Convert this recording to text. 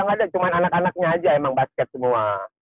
enggak ada cuman anak anaknya aja emang basket semua